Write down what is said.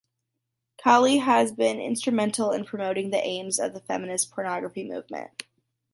Kali has been instrumental in promoting the aims of the feminist pornography movement.